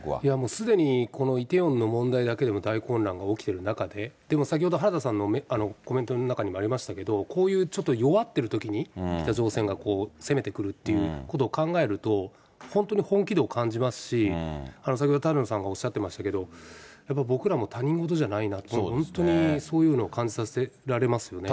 すでにこのイテウォンの問題だけでも大混乱が起きてる中で、でも先ほど、原田さんのコメントの中にもありましたけど、こういう、ちょっと弱ってるときに、北朝鮮が攻めてくるっていうことを考えると、本当に本気度を感じますし、先ほど舘野さんがおっしゃってましたけど、やっぱり僕らも、他人事じゃないなと、本当にそういうのを感じさせられますよね。